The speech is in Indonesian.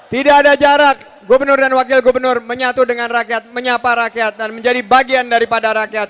tidak ada jarak gubernur dan wakil gubernur menyatu dengan rakyat menyapa rakyat dan menjadi bagian daripada rakyat